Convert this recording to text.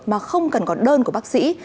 mà không cần còn đơn của bác sĩ